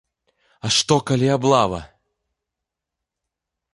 А што, калі аблава?